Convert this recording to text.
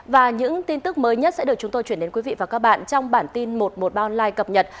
và những tin tức mới nhất sẽ được chúng tôi chuyển đến quý vị và các bạn trong bản tin một trăm một mươi ba online cập nhật